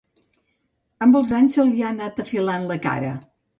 Amb els anys se li ha anat afilant la cara.